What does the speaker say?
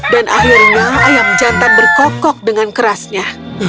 dan akhirnya ayam jantan berkokok dengan kerasnya